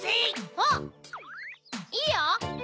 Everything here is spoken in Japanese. あっいいよ！